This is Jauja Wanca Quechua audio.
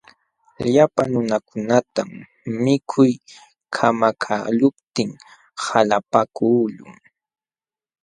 Llapa nunakunatam mikuy kamakaqluptin qalapaakuqlun.